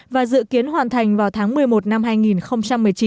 và dự kiến hoàn thành vào tháng một mươi một năm hai nghìn một mươi chín